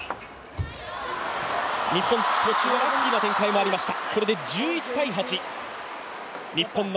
日本、途中ラッキーな展開もありました